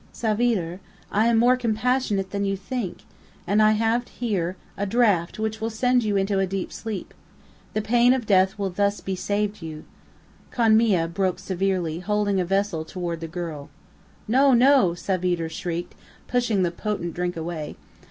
"Savitre, I am more compassionate than you think, and I have here a draught which will send you into a deep sleep. The pain of death will thus be saved you," Konmia broke in severely, holding a vessel toward the girl. "No, no!" Savitre shrieked, pushing the potent drink away.